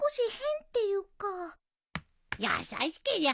優しけりゃ